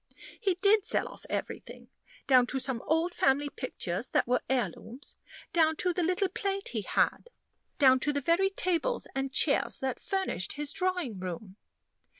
He did sell off everything, down to some old family pictures that were heirlooms; down to the little plate he had; down to the very tables and chairs that furnished his drawing room.